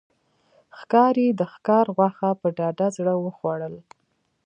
ښکاري د ښکار غوښه په ډاډه زړه وخوړل.